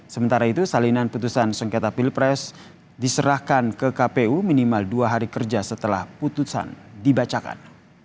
sementara itu salinan putusan sengketa pilpres diserahkan ke kpu minimal dua hari kerja setelah putusan dibacakan